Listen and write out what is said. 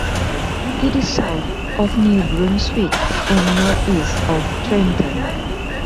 It is south of New Brunswick and northeast of Trenton.